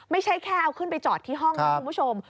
ไม่ใช่แค่เอาขึ้นไปจอดที่ห้องนะคุณผู้ชม